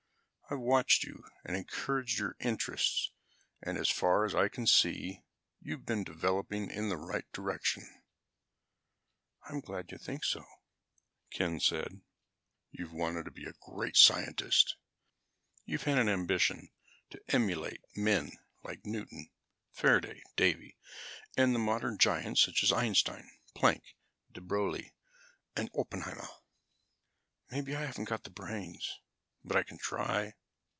I've watched you and encouraged your interests and, as far as I can see, you've been developing in the right direction." "I'm glad you think so," Ken said. "But you've wanted to be a great scientist. You've had an ambition to emulate men like Newton, Faraday, Davy, and the modern giants such as Einstein, Planck, de Broglie, Oppenheimer." "Maybe I haven't got the brains, but I can try."